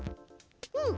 うん。